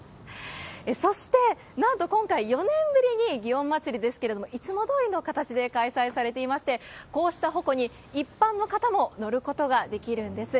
そして、なんと今回、４年ぶりに祇園祭ですけれども、いつもどおりの形で開催されていまして、こうした鉾に一般の方も乗ることができるんです。